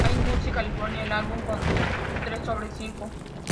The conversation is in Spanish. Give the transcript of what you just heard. Allmusic calificó al álbum con un tres sobre cinco.